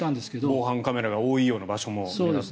防犯カメラが多いような場所も狙って。